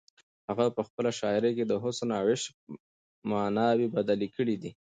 هغه په خپله شاعري کې د حسن او عشق ماناوې بدلې کړې دي.